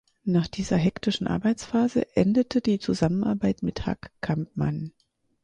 Nach dieser hektischen Arbeitsphase endete die Zusammenarbeit mit Hack Kampmann.